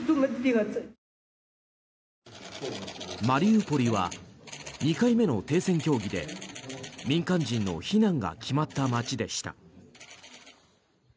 マリウポリは２回目の停戦協議で民間人の避難が決まった街でした。